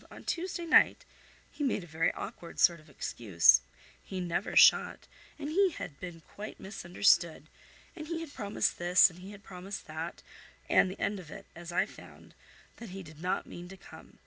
on Tuesday night, he made a very awkward sort of excuse; 'he never shot' and he had 'been quite misunderstood,' and he had promised this and he had promised that, and the end of it was, I found, that he did not mean to come.